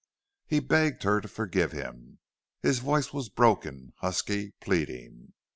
He begged her to forgive him. His voice was broken, husky, pleading.